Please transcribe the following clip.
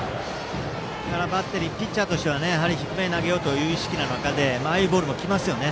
ピッチャーとしては低めに投げようという意識の中でああいうボールも来ますよね。